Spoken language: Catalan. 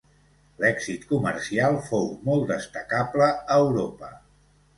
L'èxit comercial fou molt destacable a Europa.